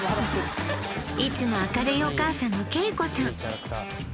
いつも明るいお母さんの恵子さん